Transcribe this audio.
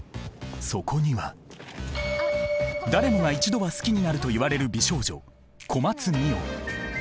そこには誰もが一度は好きになるといわれる美少女小松澪。